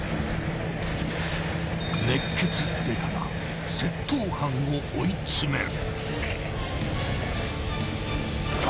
［熱血刑事が窃盗犯を追い詰める］